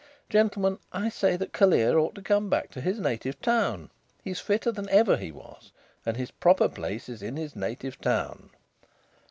Gentlemen, I say that Callear ought to come back to his native town. He is fitter than ever he was, and his proper place is in his native town."